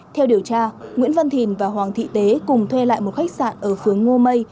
theo điều tra nguyễn văn thìn và hoàng thị tế cùng thuê lại một khách sạn ở phương ngô mây